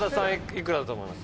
いくらだと思います？